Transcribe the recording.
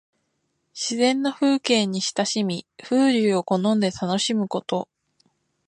自然の風景に親しみ、風流を好んで楽しむこと。